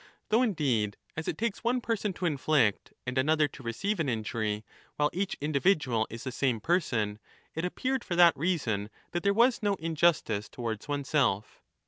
^ Though, Indeed, as it takes one person to inflict and another to 25 receive an injury, while each individual is the same person, It appeared " for that reason that there was no injustice )wards oneself.